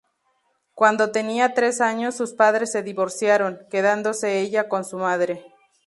Cuando tenía tres años sus padres se divorciaron, quedándose ella con su madre.